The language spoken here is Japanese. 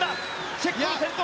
チェッコン先頭